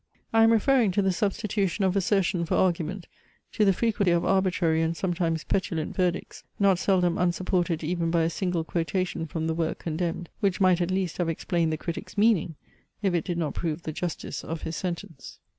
I am referring to the substitution of assertion for argument; to the frequency of arbitrary and sometimes petulant verdicts, not seldom unsupported even by a single quotation from the work condemned, which might at least have explained the critic's meaning, if it did not prove the justice of his sentence.